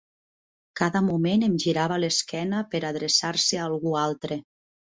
Cada moment em girava l'esquena per adreçar-se a algú altre.